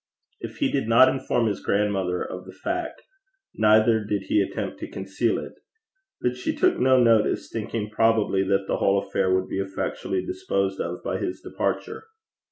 If he did not inform his grandmother of the fact, neither did he attempt to conceal it; but she took no notice, thinking probably that the whole affair would be effectually disposed of by his departure.